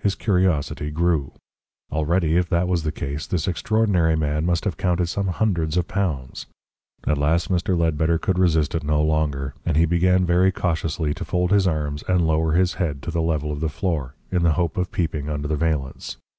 His curiosity grew. Already, if that was the case, this extraordinary man must have counted some hundreds of pounds. At last Mr. Ledbetter could resist it no longer, and he began very cautiously to fold his arms and lower his head to the level of the floor, in the hope of peeping under the valance.